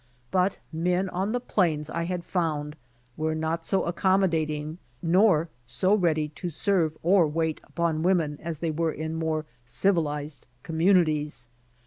But men on the plains I had found were not so accommodating nor so ready to serve or wait upon women as they were in mlore civilized communities.